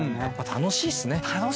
やっぱ楽しいっすね。